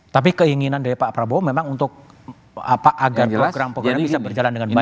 tapi keinginan dari pak prabowo memang untuk agar program program ini bisa berjalan dengan baik